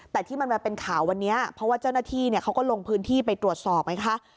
แต่ที่มันมาเป็นข่าววันนี้เพราะว่าเจ้าหน้าที่เขาก็ลงพื้นที่ไปตรวจสอบไงคะ